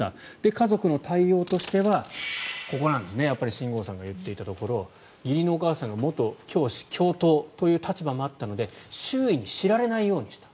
家族の対応としてはここなんですね、やっぱり新郷さんが言っていたところ義理のお母さんが元教師、教頭という立場もあったので周囲に知られないようにした。